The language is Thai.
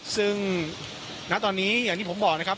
ซึ่งณตอนนี้อย่างที่ผมบอกนะครับ